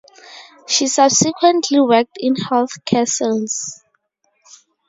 She subsequently worked in health care sales.